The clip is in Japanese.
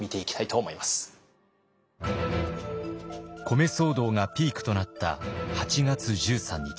米騒動がピークとなった８月１３日。